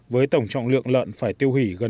với tổng trọng lượng lợn phải tiêu hủy gần một trăm linh